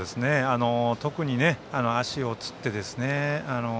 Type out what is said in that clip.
特に足をつってですね